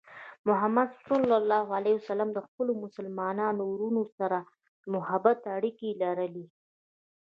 محمد صلى الله عليه وسلم د خپلو مسلمانو وروڼو سره د محبت اړیکې لرلې.